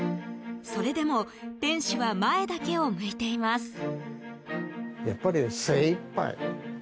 それでも、店主は前だけを向いています。